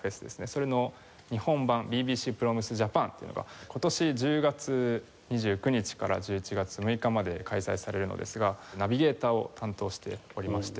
それの日本版「ＢＢＣＰｒｏｍｓＪＡＰＡＮ」というのが今年１０月２９日から１１月６日まで開催されるのですがナビゲーターを担当しておりまして。